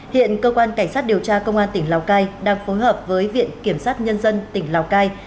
hiện cơ quan cảnh sát điều tra công an tỉnh lào cai đang phối hợp với viện kiểm sát nhân dân tỉnh lào cai